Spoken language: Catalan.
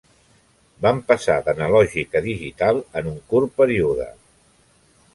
Vam passar d'analògic a digital en un curt període.